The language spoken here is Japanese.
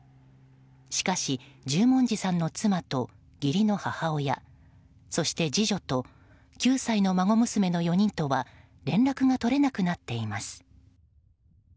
しかし、十文字さんの妻と義理の母親、そして次女と９歳の孫娘の４人とは連絡が取れなくなっています。